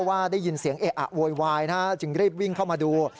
ว่าได้ยินเสียงเอะอะโวยวายจึงรีบวิ่งเข้ามาดู